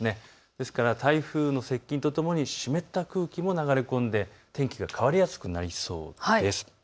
ですから台風の接近とともに湿った空気も流れ込んで天気が変わりやすくなりそうです。